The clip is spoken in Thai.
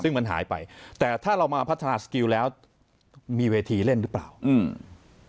ซึ่งมันหายไปแต่ถ้าเรามาพัฒนาสกิลแล้วมีเวทีเล่นหรือเปล่าอืม